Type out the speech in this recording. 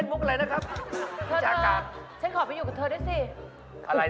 อ้าวกระถิ่นซื้ออะไรล่ะ